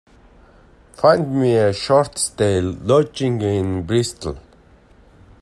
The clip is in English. Find me a short stay lodging in Bristol.